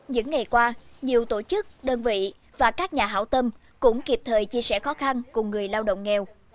những ngày qua nhiều tổ chức đơn vị và các nhà hảo tâm cũng kịp thời chia sẻ khó khăn cùng người lao động nghèo